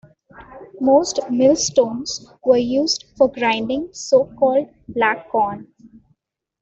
Most millstones were used for grinding so called "black corn".